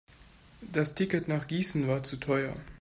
Das Ticket nach Gießen war zu teuer